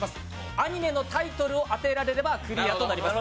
アニメのタイトルを当てられればクリアになります。